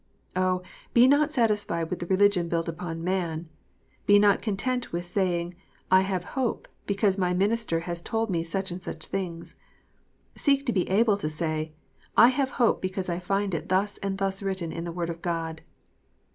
Oh, be not satisfied with a religion built upon man ! Be not content with saying, "I have hope, because my own minister has told me such and such things." Seek to be able to say, " I have hope, because I find it thus and thus written in the Word of God."